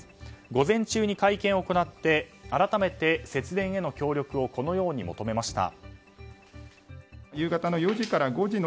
午前中に会見を行って、改めて節電への協力をこのように求めました。